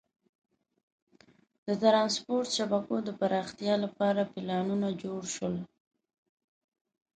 د ترانسپورت شبکو د پراختیا لپاره پلانونه جوړ شول.